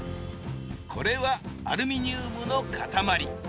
これはアルミニウムの塊。